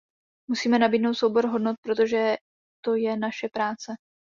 Musíme nabídnout soubor hodnot, protože to je naše práce.